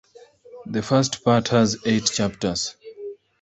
The first part has eight chapters.